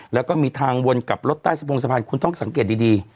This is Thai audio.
แล้วก็มีทางวนกับรถใต้สะพงสะพานคุณต้องสังเกตดี